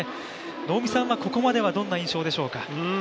能見さんはここまではどんな印象でしょうか。